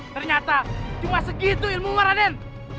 ternyata cuma segitu ilmu raden